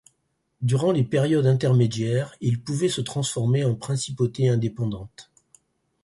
Durant les périodes intermédiaires, ils pouvaient se transformer en principautés indépendantes.